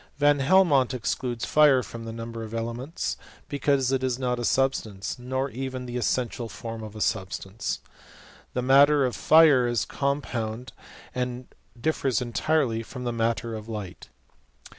Van Helmont excludes fire from the number of elements, because it is not a substance, nor even the essential form of a substance. The matter of fire is compound, and differs entirely from the matter of light.